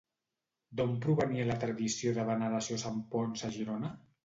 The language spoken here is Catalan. D'on provenia la tradició de la veneració a Sant Ponç a Girona?